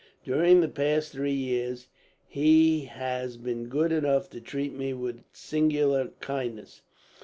During the past three years he has been good enough to treat me with singular kindness.